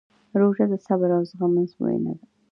روژه د صبر او زغم ازموینه ده.